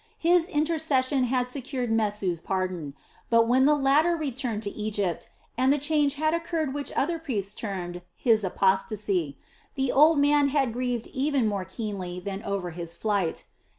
His intercession had secured Mesu's pardon; but when the latter returned to Egypt and the change had occurred which other priests termed his "apostasy," the old man had grieved even more keenly than over his flight.